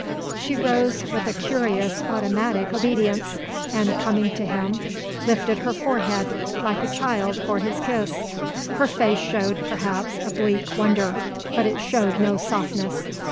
She rose with a curious automatic obedience, and, coming to him, lifted her forehead, like a child, for his kiss. Her face showed, perhaps, a bleak wonder, but it showed no softness.